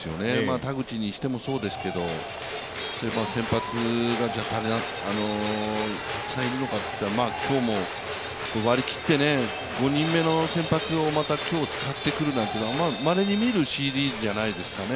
田口にしてもそうですけど、先発がいるのかといったら今日も割り切って、５人目の先発を今日使ってくるなんていうのはまれに見るシリーズじゃないかと思いますね。